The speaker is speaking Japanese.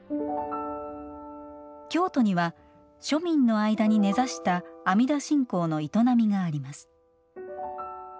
京都には、庶民の間に根ざした阿弥陀信仰の営みがあります。